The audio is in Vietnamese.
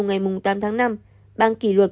ngày tám tháng năm bang kỷ luật